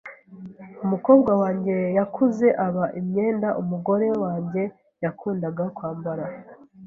Umukobwa wanjye yakuze aba imyenda umugore wanjye yakundaga kwambara.